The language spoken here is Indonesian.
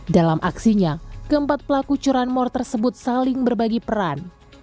dalam aksinya keempat pelaku curanmor tersebut saling berbagi peran